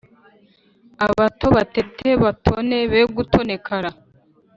abato batete batone be gutonekara